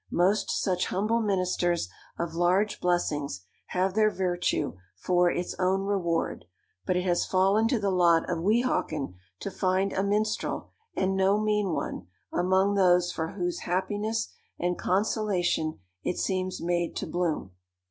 Most such humble ministers of large blessings have their virtue for "its own reward;" but it has fallen to the lot of Weehawken to find a minstrel, and no mean one, among those for whose happiness and consolation it seems made to bloom.